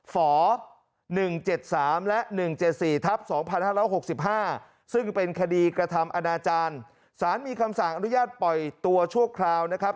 ฝ๑๗๓และ๑๗๔ทับ๒๕๖๕ซึ่งเป็นคดีกระทำอนาจารย์สารมีคำสั่งอนุญาตปล่อยตัวชั่วคราวนะครับ